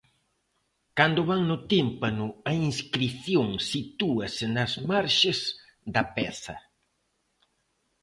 Cando van no tímpano a inscrición sitúase nas marxes da peza.